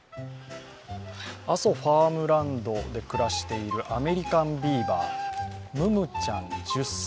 阿蘇ファームランドで暮らしているアメリカンビーバームムちゃん、１０歳。